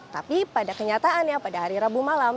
tapi pada kenyataannya pada hari rabu malam